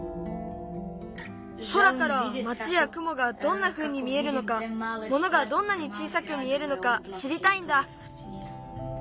空から町やくもがどんなふうに見えるのかものがどんなに小さく見えるのかしりたいんだ。